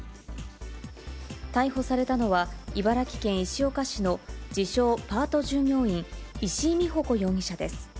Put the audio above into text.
逮捕されたのは、茨城県石岡市の自称パート従業員、石井美保子容疑者です。